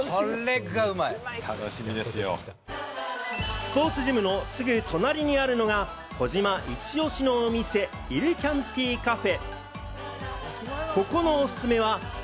スポーツジムのすぐ隣にあるのが、児嶋イチ押しのお店、イルキャンティ・カフェ。